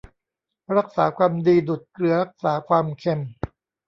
รักษาความดีดุจเกลือรักษาความเค็ม